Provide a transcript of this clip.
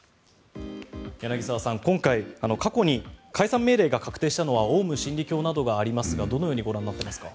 柳澤さん、今回過去に解散命令が確定したのはオウム真理教などがありますがどのようにご覧になっていますか。